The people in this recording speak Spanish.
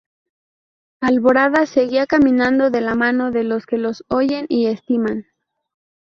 Alborada seguirá caminando de la mano de los que los oyen y estiman.